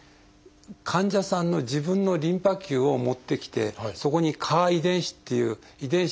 患者さんの自分のリンパ球を持ってきてそこにＣＡＲ遺伝子っていう遺伝子を導入するんですね。